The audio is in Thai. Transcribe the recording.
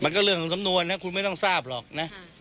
เรื่องของสำนวนนะคุณไม่ต้องทราบหรอกนะ